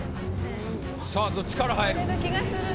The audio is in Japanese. さぁどっちから入る？